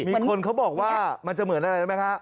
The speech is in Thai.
มีคนเขาบอกว่ามันจะเหมือนอะไรนะครับ